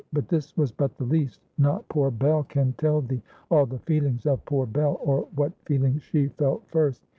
But this was but the least. Not poor Bell can tell thee all the feelings of poor Bell, or what feelings she felt first.